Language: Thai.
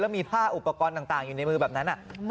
มีผ้าอุปกรณ์ต่างอยู่ในมือแบบนั้น